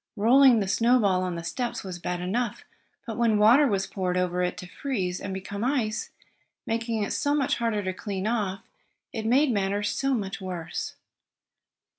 Rolling the snowball on the steps was bad enough, but when water was poured over it, to freeze, and become ice, making it so much harder to clean off, it made matters so much worse.